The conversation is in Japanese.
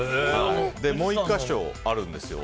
もう１か所あるんですよ